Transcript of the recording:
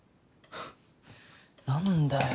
何だよ